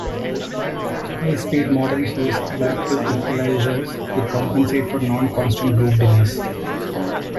High speed modems use adaptive equalizers to compensate for non-constant group delay.